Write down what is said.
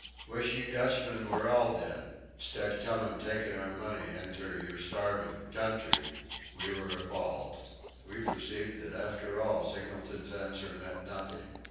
Wish you Dutchmen were all dead 'stead comin' takin' our money inter your starvin' country." We were appalled. We perceived that after all Singleton's answer meant nothing.